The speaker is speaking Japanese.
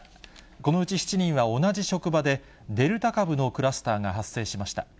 このうち７人は同じ職場で、デルタ株のクラスターが発生しました。